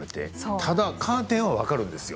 ただカーテンは分かるんですよ